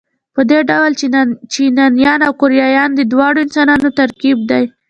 په دې ډول چینایان او کوریایان د دواړو انسانانو ترکیب دي.